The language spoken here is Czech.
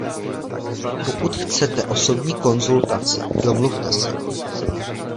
Pokud chcete osobní konzultaci, domluvte se.